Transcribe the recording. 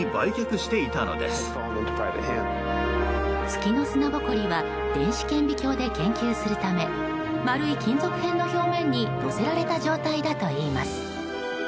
月の砂ぼこりは電子顕微鏡で研究するため丸い金属片の表面に載せられた状態だといいます。